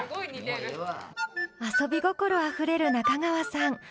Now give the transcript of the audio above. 遊び心あふれる中川さん